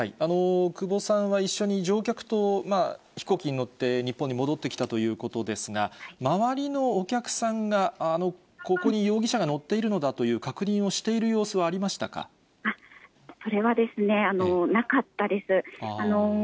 久保さんは一緒に乗客と飛行機に乗って、日本に戻ってきたということですが、周りのお客さんがここに容疑者が乗っているのだという確認をしてそれはなかったです。